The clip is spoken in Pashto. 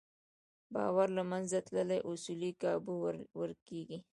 باور له منځه تللی، اصول کابو ورکېږي.